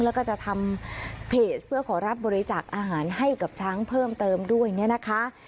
แล้วก็จะทำเพจเพื่อขอรับบริจาคอาหารให้กับช้างเพิ่มเติมด้วยเนี่ยนะคะ